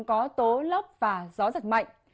có tố lấp và gió giật mạnh